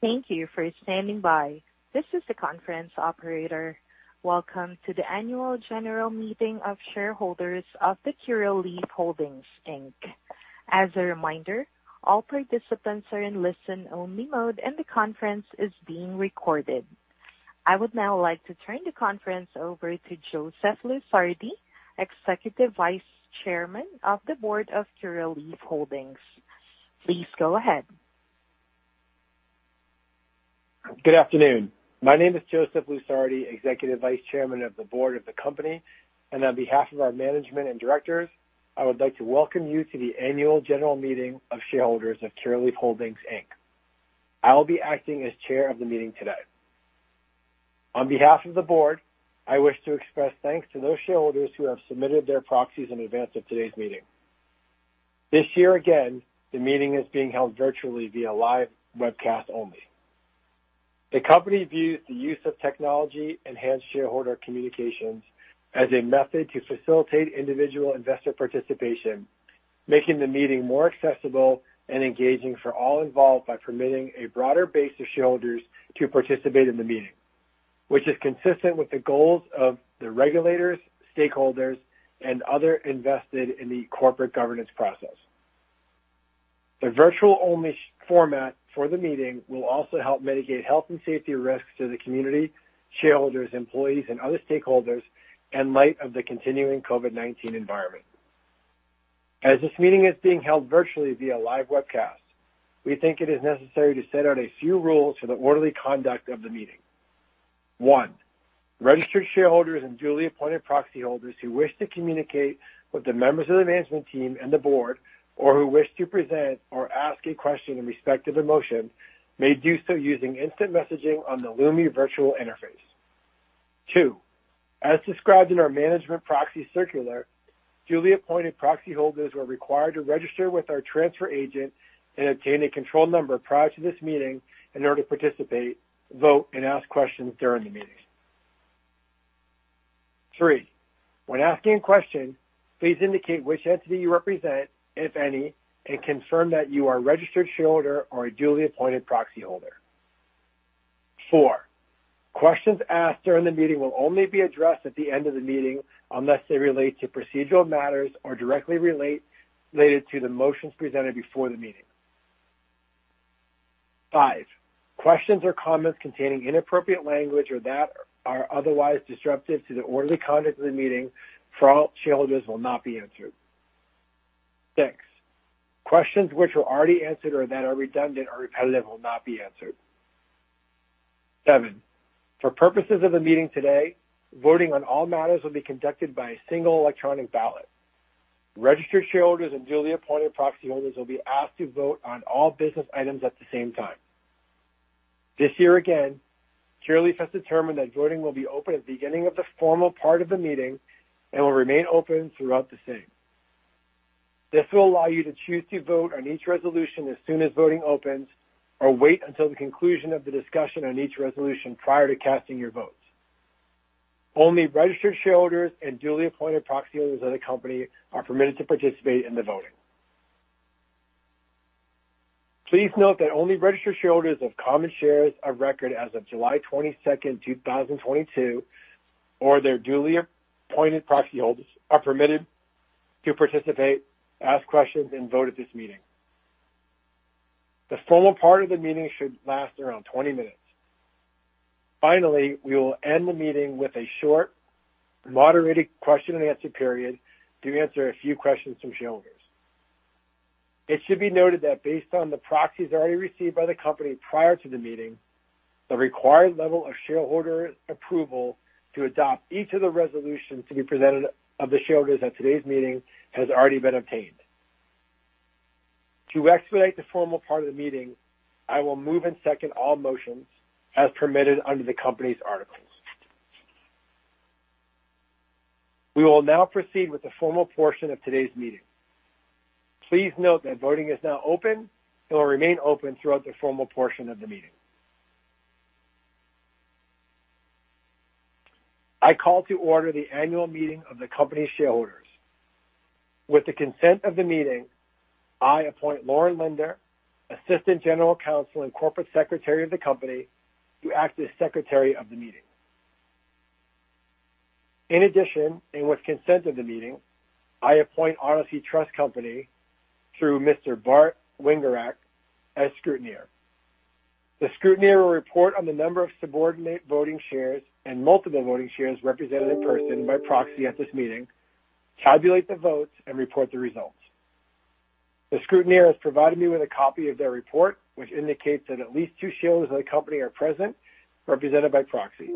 Thank you for standing by. This is the conference operator. Welcome to the Annual General Meeting of Shareholders of the Curaleaf Holdings, Inc. As a reminder, all participants are in listen-only mode, and the conference is being recorded. I would now like to turn the conference over to Joseph Lusardi, Executive Vice Chairman of the Board of Curaleaf Holdings. Please go ahead. Good afternoon. My name is Joseph Lusardi, Executive Vice Chairman of the Board of the company. On behalf of our management and directors, I would like to welcome you to the Annual General Meeting of Shareholders of Curaleaf Holdings, Inc. I will be acting as chair of the meeting today. On behalf of the board, I wish to express thanks to those shareholders who have submitted their proxies in advance of today's meeting. This year, again, the meeting is being held virtually via live webcast only. The company views the use of technology-enhanced shareholder communications as a method to facilitate individual investor participation, making the meeting more accessible and engaging for all involved by permitting a broader base of shareholders to participate in the meeting, which is consistent with the goals of the regulators, stakeholders, and other invested in the corporate governance process. The virtual-only format for the meeting will also help mitigate health and safety risks to the community, shareholders, employees, and other stakeholders in light of the continuing COVID-19 environment. As this meeting is being held virtually via live webcast, we think it is necessary to set out a few rules for the orderly conduct of the meeting. One, registered shareholders and duly appointed proxy holders who wish to communicate with the members of the management team and the board or who wish to present or ask a question in respect of a motion may do so using instant messaging on the Lumi virtual interface. Two, as described in our management proxy circular, duly appointed proxy holders were required to register with our transfer agent and obtain a control number prior to this meeting in order to participate, vote, and ask questions during the meeting. Three, when asking a question, please indicate which entity you represent, if any, and confirm that you are a registered shareholder or a duly appointed proxy holder. Four, questions asked during the meeting will only be addressed at the end of the meeting unless they relate to procedural matters or directly related to the motions presented before the meeting. Five, questions or comments containing inappropriate language or that are otherwise disruptive to the orderly conduct of the meeting from all shareholders will not be answered. Six, questions which were already answered or that are redundant or repetitive will not be answered. Seven, for purposes of the meeting today, voting on all matters will be conducted by a single electronic ballot. Registered shareholders and duly appointed proxy holders will be asked to vote on all business items at the same time. This year, again, Curaleaf has determined that voting will be open at the beginning of the formal part of the meeting and will remain open throughout the same. This will allow you to choose to vote on each resolution as soon as voting opens or wait until the conclusion of the discussion on each resolution prior to casting your votes. Only registered shareholders and duly appointed proxy holders of the company are permitted to participate in the voting. Please note that only registered shareholders of common shares of record as of July 22, 2022, or their duly appointed proxy holders are permitted to participate, ask questions and vote at this meeting. The formal part of the meeting should last around 20 minutes. Finally, we will end the meeting with a short moderated question and answer period to answer a few questions from shareholders. It should be noted that based on the proxies already received by the company prior to the meeting, the required level of shareholder approval to adopt each of the resolutions to be presented to the shareholders at today's meeting has already been obtained. To expedite the formal part of the meeting, I will move and second all motions as permitted under the company's articles. We will now proceed with the formal portion of today's meeting. Please note that voting is now open and will remain open throughout the formal portion of the meeting. I call to order the annual meeting of the company's shareholders. With the consent of the meeting, I appoint Lauren Linder, Assistant General Counsel and Corporate Secretary of the company, to act as Secretary of the meeting. In addition, and with consent of the meeting, I appoint Odyssey Trust Company through Mr. Bart Wingerak as scrutineer. The scrutineer will report on the number of subordinate voting shares and multiple voting shares represented in person by proxy at this meeting, calculate the votes and report the results. The scrutineer has provided me with a copy of their report, which indicates that at least two shareholders of the company are present, represented by proxy.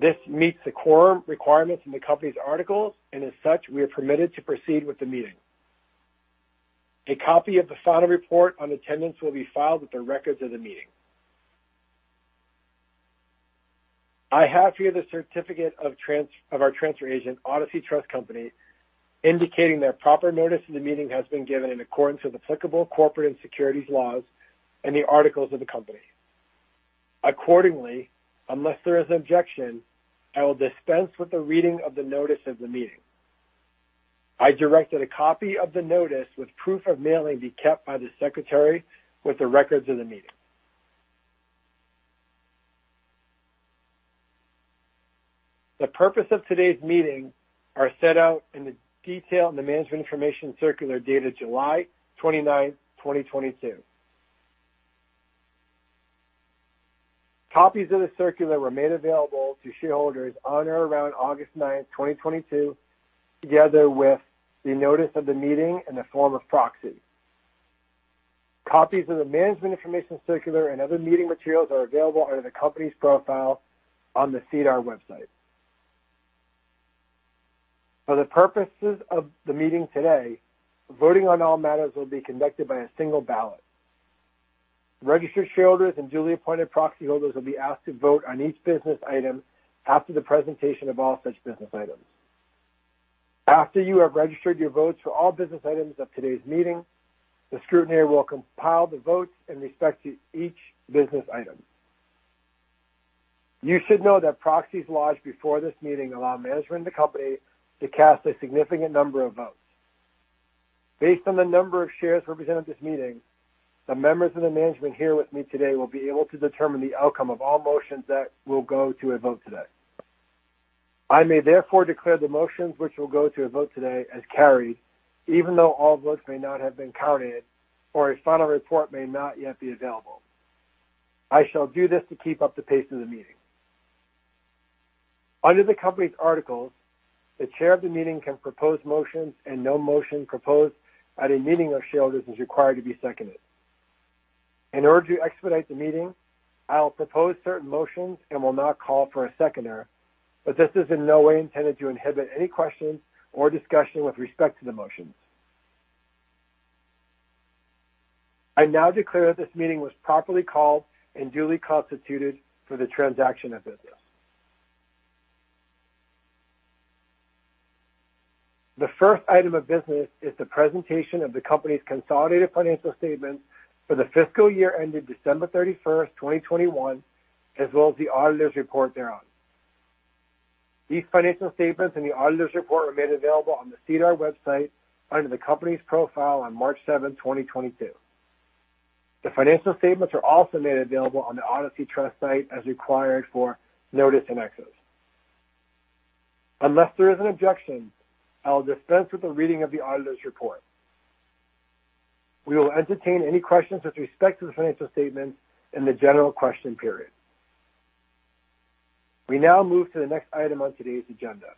This meets the quorum requirements in the company's articles, and as such, we are permitted to proceed with the meeting. A copy of the final report on attendance will be filed with the records of the meeting. I have here the certificate of our transfer agent, Odyssey Trust Company, indicating that proper notice of the meeting has been given in accordance with applicable corporate and securities laws and the articles of the company. Accordingly, unless there is objection, I will dispense with the reading of the notice of the meeting. I directed a copy of the notice with proof of mailing be kept by the Secretary with the records of the meeting. The purpose of today's meeting are set out in detail in the Management Information Circular dated July 29, 2022. Copies of the circular were made available to shareholders on or around August 9, 2022, together with the notice of the meeting in the form of proxy. Copies of the Management Information Circular and other meeting materials are available under the company's profile on the SEDAR website. For the purposes of the meeting today, voting on all matters will be conducted by a single ballot. Registered shareholders and duly appointed proxy holders will be asked to vote on each business item after the presentation of all such business items. After you have registered your votes for all business items of today's meeting, the scrutineer will compile the votes in respect to each business item. You should know that proxies lodged before this meeting allow management of the company to cast a significant number of votes. Based on the number of shares represented at this meeting, the members of the management here with me today will be able to determine the outcome of all motions that will go to a vote today. I may therefore declare the motions which will go to a vote today as carried, even though all votes may not have been counted or a final report may not yet be available. I shall do this to keep up the pace of the meeting. Under the company's articles, the chair of the meeting can propose motions, and no motion proposed at a meeting of shareholders is required to be seconded. In order to expedite the meeting, I will propose certain motions and will not call for a seconder, but this is in no way intended to inhibit any questions or discussion with respect to the motions. I now declare that this meeting was properly called and duly constituted for the transaction of business. The first item of business is the presentation of the company's consolidated financial statements for the fiscal year ended December 31st, 2021, as well as the auditor's report thereon. These financial statements and the auditor's report were made available on the SEDAR website under the company's profile on March 7th, 2022. The financial statements are also made available on the Odyssey Trust site as required for notice annexes. Unless there is an objection, I will dispense with the reading of the auditor's report. We will entertain any questions with respect to the financial statements in the general question period. We now move to the next item on today's agenda.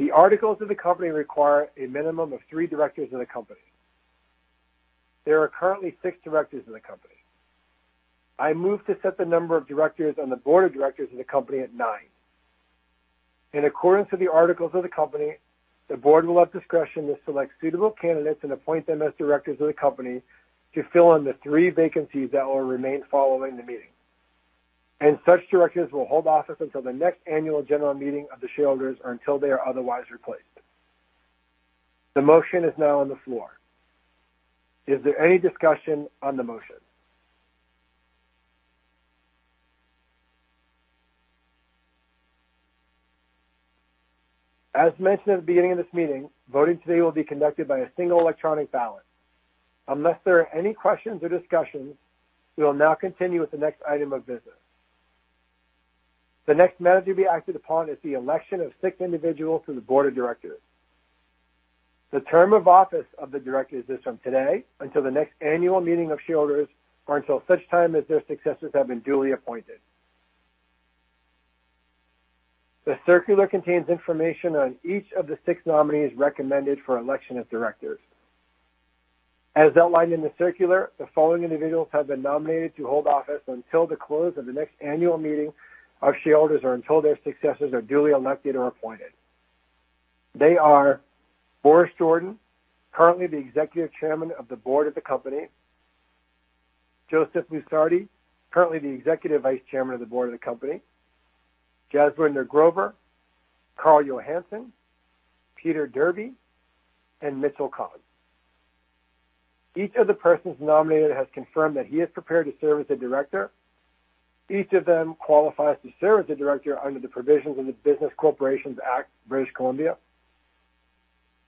The articles of the company require a minimum of three directors in the company. There are currently six directors in the company. I move to set the number of directors on the board of directors of the company at nine. In accordance with the articles of the company, the board will have discretion to select suitable candidates and appoint them as directors of the company to fill in the three vacancies that will remain following the meeting, and such directors will hold office until the next annual general meeting of the shareholders or until they are otherwise replaced. The motion is now on the floor. Is there any discussion on the motion? As mentioned at the beginning of this meeting, voting today will be conducted by a single electronic ballot. Unless there are any questions or discussions, we will now continue with the next item of business. The next matter to be acted upon is the election of six individuals to the board of directors. The term of office of the directors is from today until the next annual meeting of shareholders or until such time as their successors have been duly appointed. The circular contains information on each of the six nominees recommended for election as directors. As outlined in the circular, the following individuals have been nominated to hold office until the close of the next annual meeting of shareholders or until their successors are duly elected or appointed. They are Boris Jordan, currently the Executive Chairman of the Board of the Company, Joseph Lusardi, currently the Executive Vice Chairman of the Board of the Company, Jaswinder Grover, Karl Johansson, Peter Derby, and Mitchell Cohen. Each of the persons nominated has confirmed that he is prepared to serve as a director. Each of them qualifies to serve as a director under the provisions of the Business Corporations Act, British Columbia.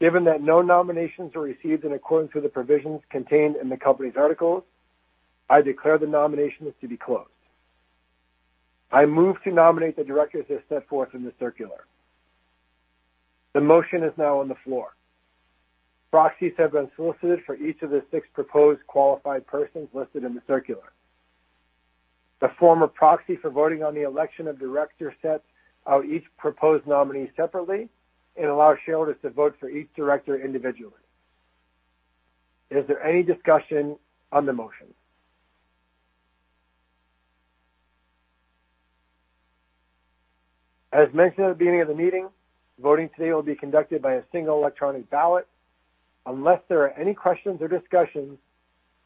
Given that no nominations were received in accordance with the provisions contained in the company's articles, I declare the nominations to be closed. I move to nominate the directors as set forth in the circular. The motion is now on the floor. Proxies have been solicited for each of the six proposed qualified persons listed in the circular. The form of proxy for voting on the election of directors sets out each proposed nominee separately and allows shareholders to vote for each director individually. Is there any discussion on the motion? As mentioned at the beginning of the meeting, voting today will be conducted by a single electronic ballot. Unless there are any questions or discussions,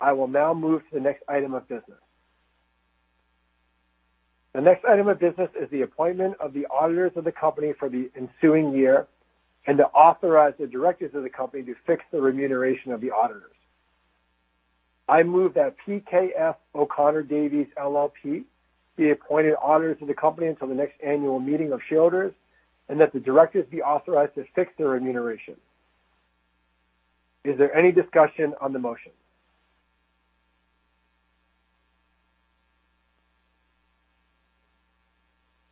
I will now move to the next item of business. The next item of business is the appointment of the auditors of the company for the ensuing year and to authorize the directors of the company to fix the remuneration of the auditors. I move that PKF O'Connor Davies, LLP be appointed auditors of the company until the next annual meeting of shareholders, and that the directors be authorized to fix their remuneration. Is there any discussion on the motion?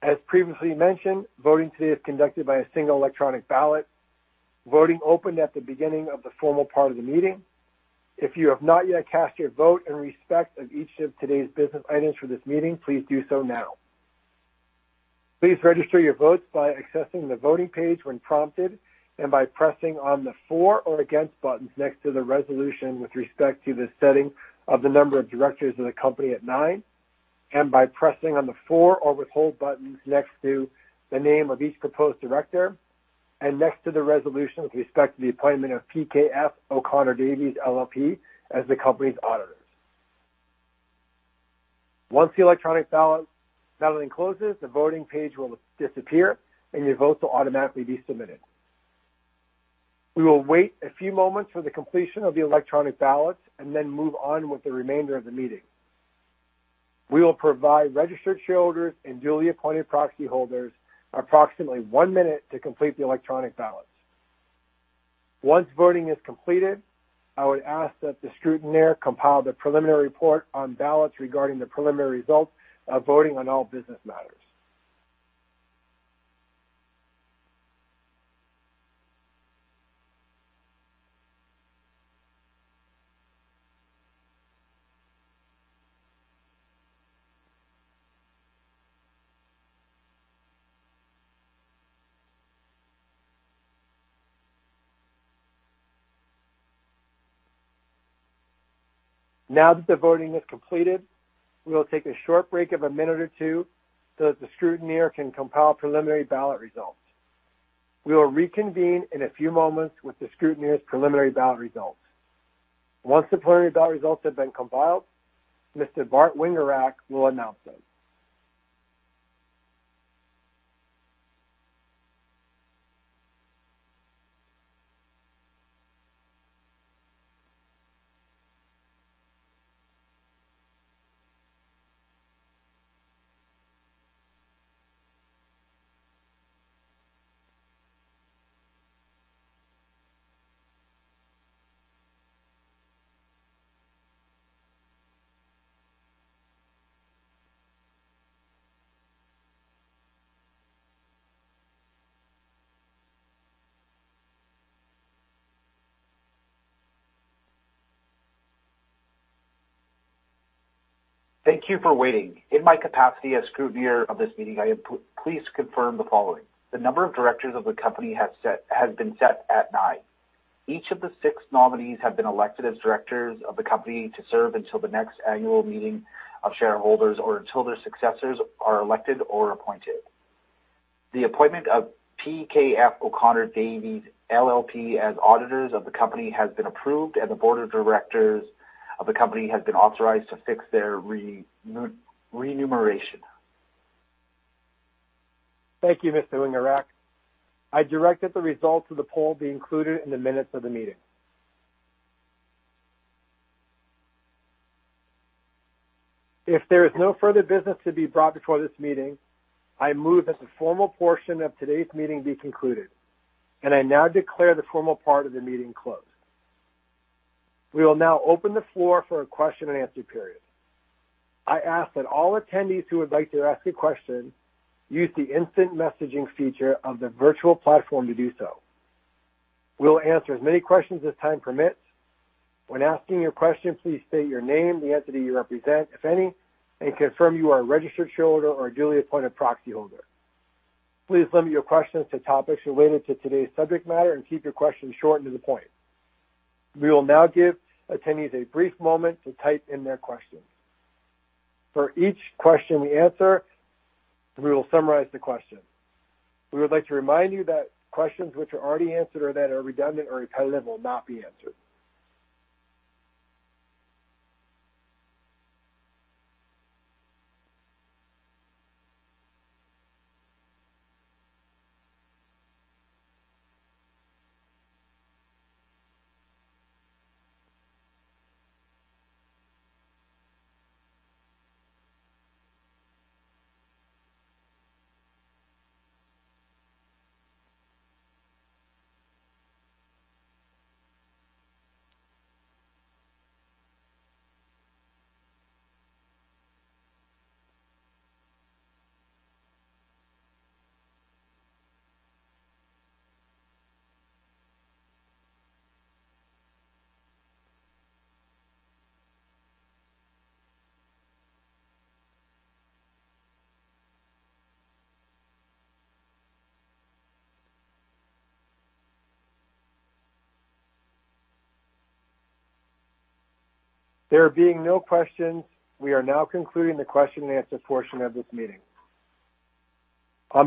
As previously mentioned, voting today is conducted by a single electronic ballot. Voting opened at the beginning of the formal part of the meeting. If you have not yet cast your vote in respect of each of today's business items for this meeting, please do so now. Please register your votes by accessing the voting page when prompted, and by pressing on the for or against buttons next to the resolution with respect to the setting of the number of directors of the company at nine. By pressing on the for or withhold buttons next to the name of each proposed director. Next to the resolution with respect to the appointment of PKF O'Connor Davies, LLP as the company's auditors. Once the electronic balloting closes, the voting page will disappear and your votes will automatically be submitted. We will wait a few moments for the completion of the electronic ballots and then move on with the remainder of the meeting. We will provide registered shareholders and duly appointed proxy holders approximately one minute to complete the electronic ballots. Once voting is completed, I would ask that the scrutineer compile the preliminary report on ballots regarding the preliminary results of voting on all business matters. Now that the voting is completed, we will take a short break of a minute or two so that the scrutineer can compile preliminary ballot results. We will reconvene in a few moments with the scrutineer's preliminary ballot results. Once the preliminary ballot results have been compiled, Mr. Bart Wingerak will announce them. Thank you for waiting. In my capacity as scrutineer of this meeting, I am pleased to confirm the following. The number of directors of the company has been set at nine. Each of the six nominees have been elected as directors of the company to serve until the next annual meeting of shareholders or until their successors are elected or appointed. The appointment of PKF O'Connor Davies, LLP as auditors of the company has been approved, and the board of directors of the company has been authorized to fix their remuneration. Thank you, Mr. Wingerak. I direct that the results of the poll be included in the minutes of the meeting. If there is no further business to be brought before this meeting, I move that the formal portion of today's meeting be concluded, and I now declare the formal part of the meeting closed. We will now open the floor for a question and answer period. I ask that all attendees who would like to ask a question use the instant messaging feature of the virtual platform to do so. We'll answer as many questions as time permits. When asking your question, please state your name, the entity you represent, if any, and confirm you are a registered shareholder or a duly appointed proxy holder. Please limit your questions to topics related to today's subject matter and keep your questions short and to the point. We will now give attendees a brief moment to type in their questions. For each question we answer, we will summarize the question. We would like to remind you that questions which are already answered or that are redundant or repetitive will not be answered. There being no questions, we are now concluding the question and answer portion of this meeting. On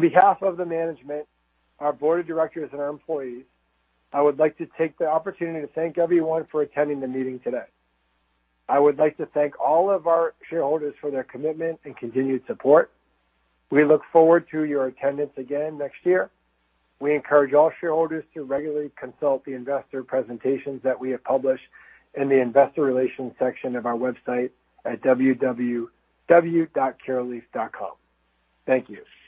behalf of the management, our board of directors and our employees, I would like to take the opportunity to thank everyone for attending the meeting today. I would like to thank all of our shareholders for their commitment and continued support. We look forward to your attendance again next year. We encourage all shareholders to regularly consult the investor presentations that we have published in the investor relations section of our website at www.curaleaf.com. Thank you.